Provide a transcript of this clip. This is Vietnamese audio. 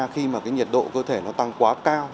khi mà cái nhiệt độ cơ thể nó tăng quá cao